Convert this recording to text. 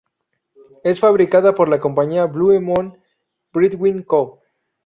Es fabricada por la compañía Blue Moon Brewing Co.